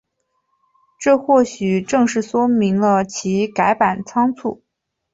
这或许正是说明了其改版仓促。